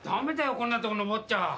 こんなとこ登っちゃ。